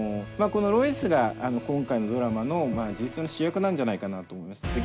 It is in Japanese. このロイスが今回のドラマの事実上の主役なんじゃないかなとも思います。